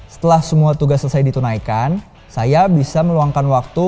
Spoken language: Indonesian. setelah semua tugas selesai ditunaikan saya bisa meluangkan waktu